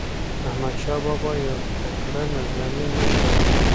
احمدشاه بابا یو تکړه نظامي مشر و.